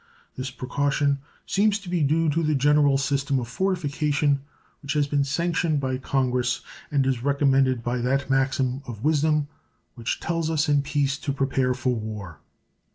This precaution seems to be due to the general system of fortification which has been sanctioned by Congress, and is recommended by that maxim of wisdom which tells us in peace to prepare for war.